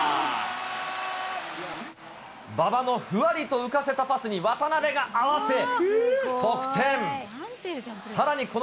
馬場のふわりと浮かせたパスに、渡邊が合わせ、得点。